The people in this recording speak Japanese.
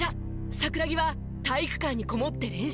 桜木は体育館にこもって練習。